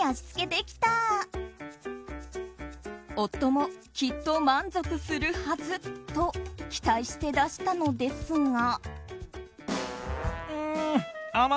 夫もきっと満足するはずと期待して出したのですが。